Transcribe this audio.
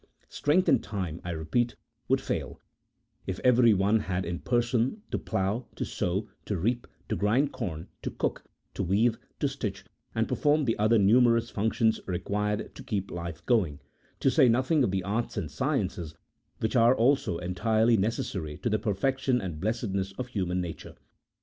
Strength and time, I repeat, would fail, if every one had in person to plough, to sow, to reap, to grind corn, to cook, to weave, to stitch, and perform the other numerous func tions required to keep life going ; to say nothing of the arts and sciences which are also entirely necessary to the per fection and blessedness of human nature.